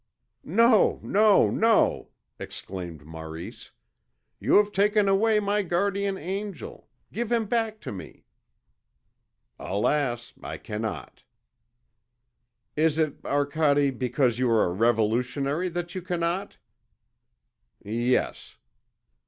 "No, no, no," exclaimed Maurice. "You have taken away my guardian angel, give him back to me." "Alas! I cannot." "Is it, Arcade, because you are a revolutionary that you cannot?" "Yes."